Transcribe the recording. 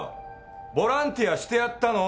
ボランティアしてやったの。